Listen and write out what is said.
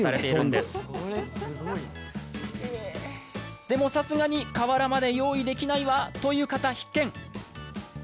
でも、さすがに瓦まで用意できないわという方、必見。